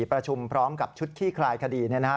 ประชุมพร้อมกับชุดขี้คลายคดีเนี่ยนะฮะ